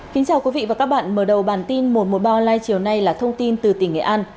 kính chào quý vị và các bạn mở đầu bản tin một trăm một mươi ba online chiều nay là thông tin từ tỉnh nghệ an